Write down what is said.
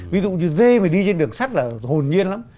ví dụ như dê mà đi trên đường sắt là hồn nhiên lắm